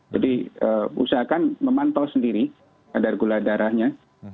jadi usahakan memantau sendiri kadar gula darahnya